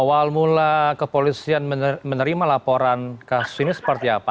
awal mula kepolisian menerima laporan kasus ini seperti apa